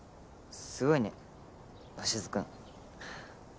すごいね鷲津君。ははっ。